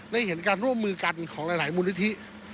ได้เห็นการร่วมมือกันของหลายมูลนิธิ